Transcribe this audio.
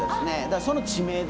その地名ですね。